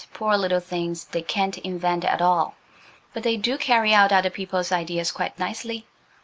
Poor little things! They can't invent at all. But they do carry out other people's ideas quite nicely.